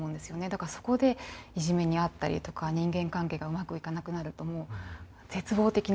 だからそこでいじめに遭ったりとか人間関係がうまくいかなくなるともう絶望的な気持ちに。